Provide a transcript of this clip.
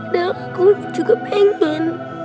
dan aku juga pengen